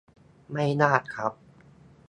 ไม่ยากครับ